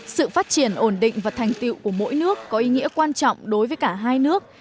sự phát triển ổn định và thành tiệu của mỗi nước có ý nghĩa quan trọng đối với cả hai nước